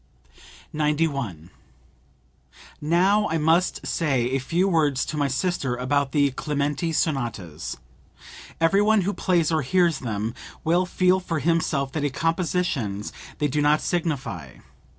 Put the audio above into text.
91. "Now I must say a few words to my sister about the Clementi sonatas. Every one who plays or hears them will feel for himself that as compositions they do not signify.